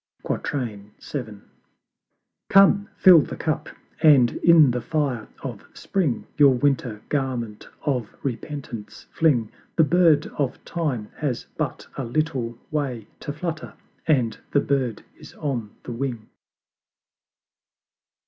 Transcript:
VII. Come, fill the Cup, and in the fire of Spring Your Winter garment of Repentance fling: The Bird of Time has but a little way To flutter and the Bird is on the Wing.